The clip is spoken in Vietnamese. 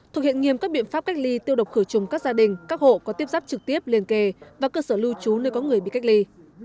thực hiện nghiêm các biện pháp cách ly tiêu độc khử trùng các gia đình các hộ có tiếp giáp trực tiếp liên kề và cơ sở lưu trú nơi có người bị cách ly